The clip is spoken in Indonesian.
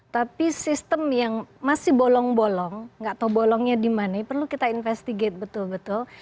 tapi sistem yang masih bolong bolong nggak tahu bolongnya di mana perlu kita investigate betul betul